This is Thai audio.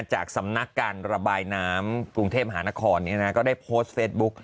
จากสำนักการระบายน้ำกรุงเทพมหานครก็ได้โพสต์เฟซบุ๊ค